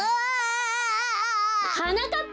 はなかっぱ！